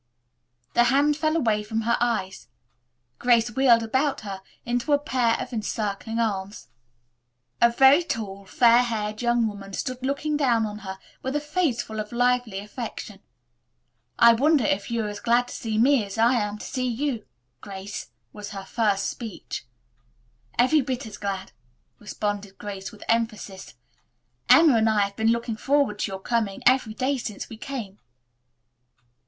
The hands fell away from her eyes. Grace wheeled about into a pair of encircling arms. A very tall, fair haired young woman stood looking down on her with a face full of lively affection. "I wonder if you are as glad to see me as I am to see you, Grace," was her first speech. "Every bit as glad," responded Grace with emphasis. "Emma and I have been looking forward to your coming every day since we came."